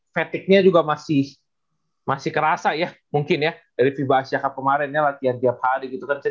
fatigue nya juga masih kerasa ya mungkin ya dari fiba asia cup kemarin ya latihan tiap hari gitu kan